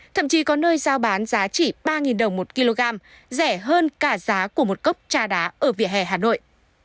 thậm chí có nơi giao bán giá chỉ ba đồng một kg rẻ hơn cả giá của một cốc trà đá ở vỉa hè hà nội